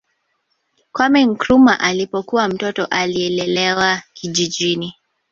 Kwame Nkrumah alipokuwa Mtoto alilelewa kijijini